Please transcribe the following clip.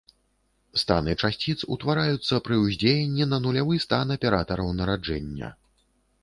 Станы часціц утвараюцца пры ўздзеянні на нулявы стан аператараў нараджэння.